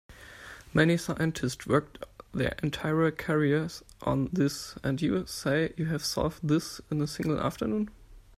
Many scientists work their entire careers on this, and you say you have solved this in a single afternoon?